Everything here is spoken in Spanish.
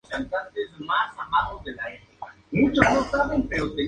Dow, permanece como la residencia mixta Dow Hall en la universidad de Pace.